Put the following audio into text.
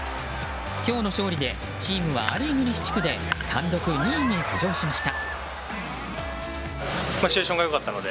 今日の勝利でチームはア・リーグ西地区で単独２位に浮上しました。